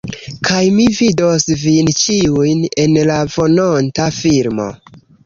Kaj mi vidos vin ĉiujn en la venonta filmo.